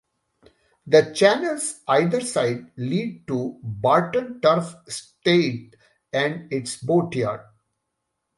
The channels either side lead to Barton Turf staithe and its boatyard.